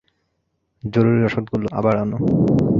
জরুরী রসদগুলো আবার আনো!